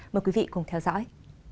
mời quý vị cùng theo dõi